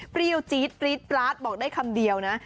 เปรี้ยวจี๊ดปรี๊ดปราสบอกได้คำเดียวนะ